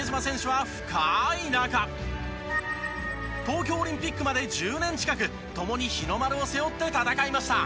東京オリンピックまで１０年近く共に日の丸を背負って戦いました。